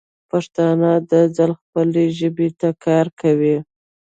پښتانه دا ځل خپلې ژبې ته کار کوي.